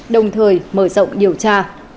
đồng thời mở rộng điều tra